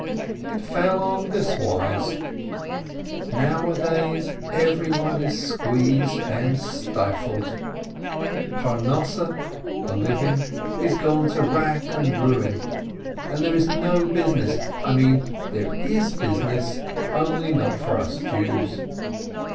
It fell on this wise : Nowadays everyone is squeezed and stifled; Parnosseh is gone to wrack and ruin, and there is no business — I mean, there is business, only not for us Jews.